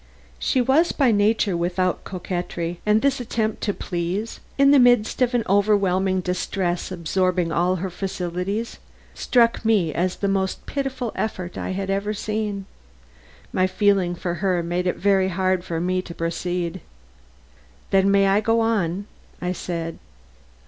She was by nature without coquetry, and this attempt to please, in the midst of an overwhelming distress absorbing all her faculties, struck me as the most pitiful effort I had ever seen. My feeling for her made it very hard for me to proceed. "Then I may go on?" I said.